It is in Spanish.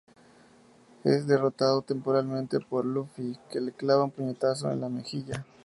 Es derrotado temporalmente por Luffy, que le clava un puñetazo en la mejilla.